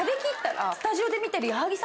スタジオで見てる。